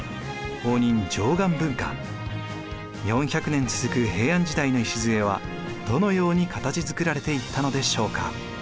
４００年続く平安時代の礎はどのように形づくられていったのでしょうか。